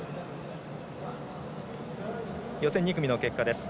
予選２組の結果です。